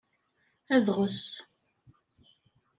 Adɣes.